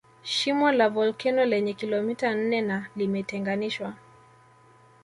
Shimo la volkeno lenye kilomita nne na limetenganishwa